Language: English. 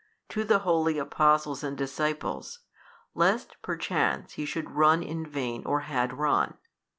to the holy Apostles and Disciples, lest perchance he should run in vain or had run.